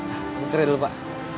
aku kerja dulu pak